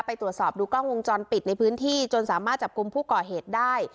ไปตรวจสอบดูกล้องวงจรปิดในพื้นที่จนสามารถจับกลุ่มผู้ก่อเหตุได้